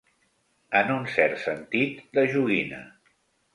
En un cert sentit, de joguina.